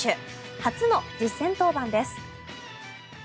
初の実戦登板です。